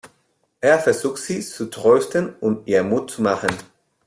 Er versucht sie zu trösten und ihr Mut zu machen.